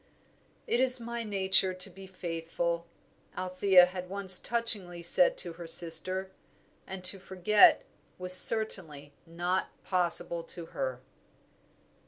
"It is my nature to be faithful," Althea had once touchingly said to her sister; and to forget was certainly not possible to her!